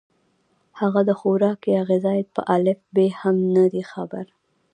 هغه د خوراک يا غذائيت پۀ الف ب هم نۀ دي خبر